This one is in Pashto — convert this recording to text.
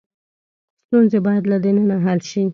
ستونزې باید له دننه حل شي.